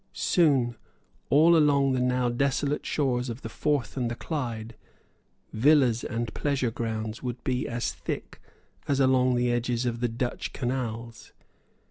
Soon, all along the now desolate shores of the Forth and Clyde, villas and pleasure grounds would be as thick as along the edges of the Dutch canals.